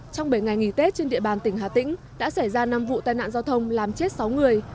trong bảy ngày nghỉ tết trên địa bàn tỉnh hà tĩnh đã xảy ra năm vụ tai nạn giao thông làm chết sáu người